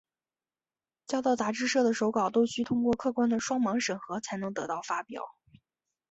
交到杂志社的手稿都须通过客观的双盲审核才能得到发表。